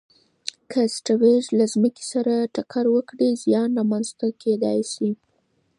که اسټروېډ له ځمکې سره ټکر وکړي، زیان رامنځته کېدای شي.